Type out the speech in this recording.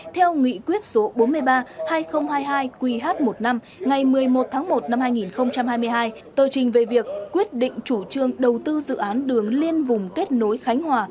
theo nghị quyết số bốn mươi ba hai nghìn hai mươi hai qh một mươi năm ngày một mươi một tháng một năm hai nghìn hai mươi hai tờ trình về việc quyết định chủ trương đầu tư dự án đường liên vùng kết nối khánh hòa